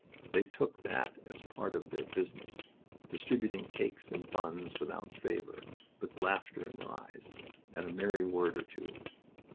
They took that as part of their business, distributing cakes and buns without favor, with laughter in their eyes, and a merry word or two.